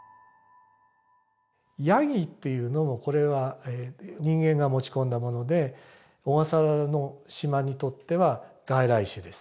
ヤギっていうのもこれは人間が持ち込んだもので小笠原の島にとっては外来種です。